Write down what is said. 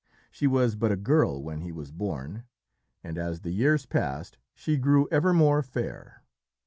She was but a girl when he was born, and as the years passed she grew ever more fair.